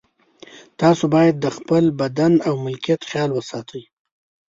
تاسو باید د خپل بدن او ملکیت خیال وساتئ.